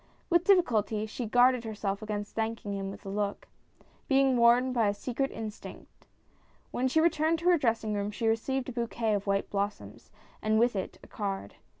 With difficulty she guarded herself against thanking him with a look, being warned by a secret instinct. When she returned to her dressing room she received a bouquet of white blossoms, and with it a card.